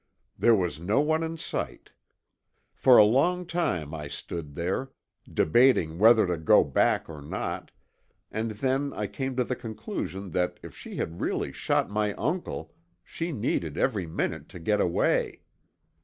There was no one in sight. For a long time I stood there, debating whether to go back or not, and then I came to the conclusion that if she had really shot my uncle she needed every minute to get away.